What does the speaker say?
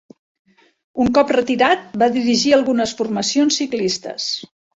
Un cop retirat va dirigir algunes formacions ciclistes.